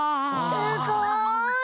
すごい！